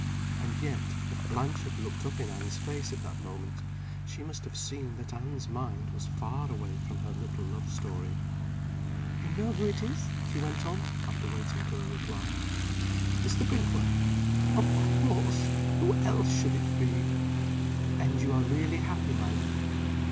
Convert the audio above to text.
And yet, if Blanche had looked up in Anne's face at that moment, she must have seen that Anne's mind was far away from her little love story. "You know who it is?" she went on, after waiting for a reply. "Mr. Brinkworth?" "Of course! Who else should it be?" "And you are really happy, my love?"